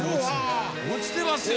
うわ落ちてますよ。